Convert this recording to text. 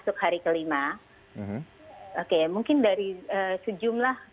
kami sudah melakukan pengumuman di rumah